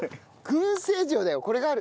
薫製塩だよこれがある！